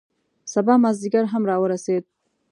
سبا مازدیګر هم را ورسید.